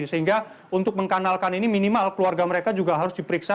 sehingga untuk mengkanalkan ini minimal keluarga mereka juga harus diperiksa